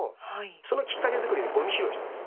そのきっかけ作りでごみ拾いしています。